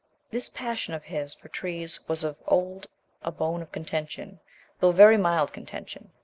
This passion of his for trees was of old a bone of contention, though very mild contention.